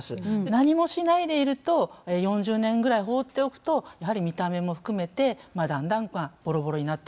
何もしないでいると４０年ぐらい放っておくとやはり見た目も含めてだんだんボロボロになっていくということです。